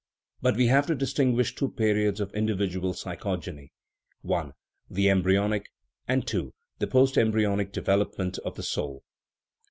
But we have to distin guish two periods of individual psychogeny: (i) the embryonic, and (2) the post embryonic development of the soul.